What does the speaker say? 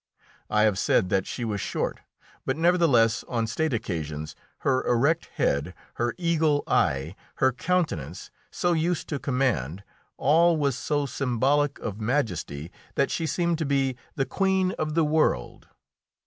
I have said that she was short, but nevertheless on state occasions, her erect head, her eagle eye, her countenance so used to command all was so symbolic of majesty that she seemed to be the queen of the world.